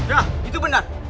ya itu benar